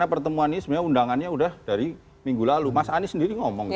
pertemuan ini sebenarnya undangannya udah dari minggu lalu mas anies sendiri ngomong